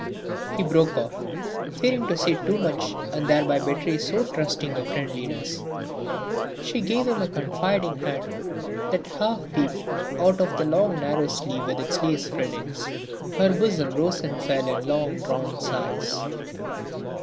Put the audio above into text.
He broke off, fearing to say too much and thereby betray so trusting a friendliness. She gave him a little confiding hand that half peeped out of the long narrow sleeve with its lace frillings. Her bosom rose and fell in long drawn sighs.